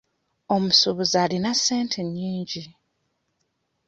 Omusuubuzi alina ssente nnyingi.